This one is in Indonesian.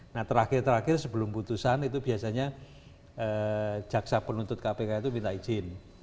nah terakhir terakhir sebelum putusan itu biasanya jaksa penuntut kpk itu minta izin